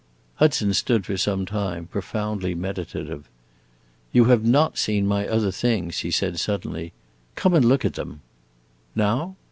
Hudson stood for some time, profoundly meditative. "You have not seen my other things," he said suddenly. "Come and look at them." "Now?"